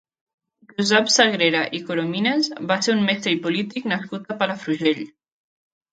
Josep Sagrera i Corominas va ser un mestre i polític nascut a Palafrugell.